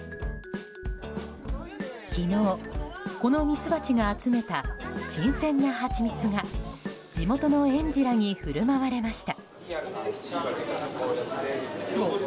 昨日、このミツバチが集めた新鮮なハチミツが地元の園児らに振る舞われました。